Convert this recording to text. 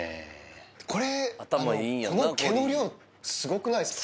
これ、この毛の量、すごくないですか。